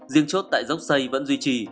riêng chốt tại dốc xây vẫn duy trì